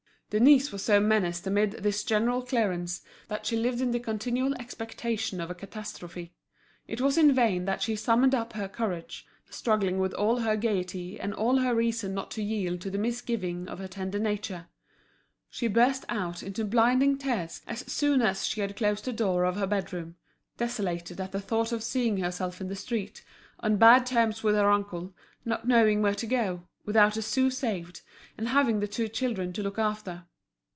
Denise was so menaced amid this general clearance, that she lived in the continual expectation of a catastrophe. It was in vain that she summoned up her courage, struggling with all her gaiety and all her reason not to yield to the misgivings of her tender nature; she burst out into blinding tears as soon as she had closed the door of her bedroom, desolated at the thought of seeing herself in the street, on bad terms with her uncle, not knowing where to go, without a sou saved, and having the two children to look after.